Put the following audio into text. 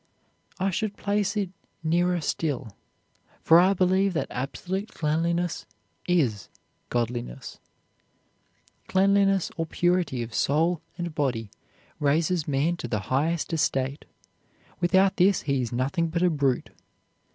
I should place it nearer still, for I believe that absolute cleanliness is godliness. Cleanliness or purity of soul and body raises man to the highest estate. Without this he is nothing but a brute.